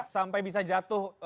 sampai bisa jatuh